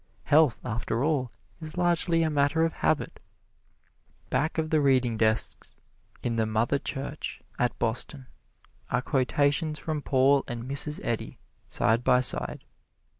Health, after all, is largely a matter of habit. Back of the reading desks, in the "Mother Church," at Boston, are quotations from Paul and Mrs. Eddy, side by side.